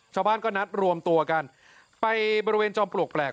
ชาวบ้านก็นัดรวมตัวกันไปบริเวณจอมปลวกแปลก